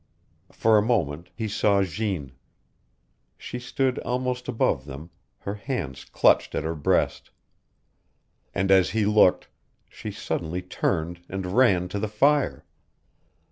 For a moment he saw Jeanne. She stood almost above them, her hands clutched at her breast. And as he looked, she suddenly turned and ran to the fire.